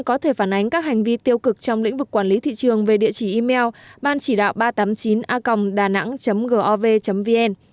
có thể phản ánh các hành vi tiêu cực trong lĩnh vực quản lý thị trường về địa chỉ email ban chỉ đạo ba trăm tám mươi chín ag đà nẵng gov vn